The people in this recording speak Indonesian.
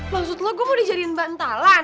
maksud lo gue mau dijadiin bantalan